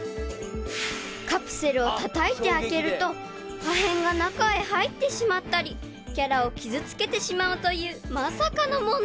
［カプセルをたたいて開けると破片が中へ入ってしまったりキャラを傷つけてしまうというまさかの問題が］